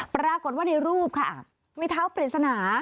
ปรากฏว่าในรูปค่ะมีเท้าปริศนา